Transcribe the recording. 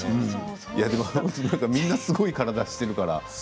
みんなすごい体してるから。